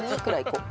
こう。